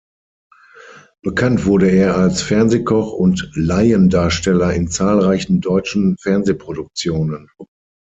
Bekannt wurde er als Fernsehkoch und Laiendarsteller in zahlreichen deutschen Fernsehproduktionen.